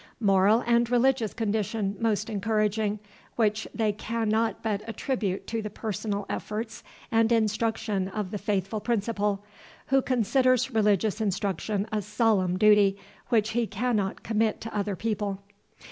".... moral and religious condition most encouraging, which they cannot but attribute to the personal efforts and instruction of the faithful Principal, who considers religious instruction a solemn duty which he cannot commit to other people.